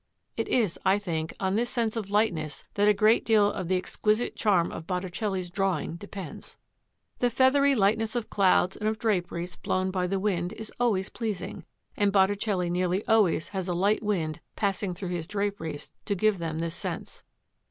It is, I think, on this sense of lightness that a great deal of the exquisite charm of Botticelli's drawing depends. The feathery lightness of clouds and of draperies blown by the wind is always pleasing, and Botticelli nearly always has a light wind passing through his draperies to give them this sense.